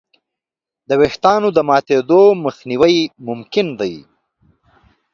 د وېښتیانو د ماتېدو مخنیوی ممکن دی.